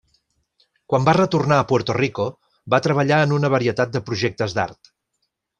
Quan va retornar a Puerto Rico, va treballar en una varietat de projectes d'art.